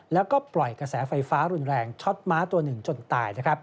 แล้วก็ปล่อยกระแสไฟฟ้ารุนแรงช็อตม้าตัวหนึ่งจนตาย